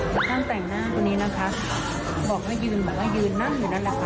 ส่วนทางแต่งหน้าตัวนี้นะคะบอกว่ายืนหมายถึงว่ายืนนั่งอยู่นั่นแหละค่ะ